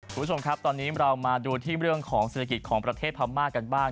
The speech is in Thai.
คุณผู้ชมครับตอนนี้เรามาดูที่เรื่องของเศรษฐกิจของประเทศพม่ากันบ้าง